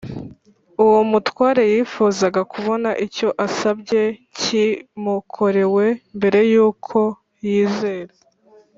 Uwo mutware yifuzaga kubona icyo asabye kimukorewe mbere y’uko yizera;